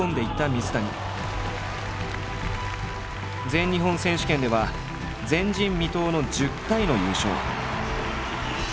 全日本選手権では前人未到の１０回の優勝。